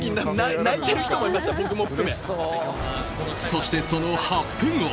そして、その８分後。